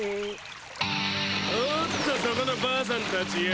おっとそこのばあさんたちよ。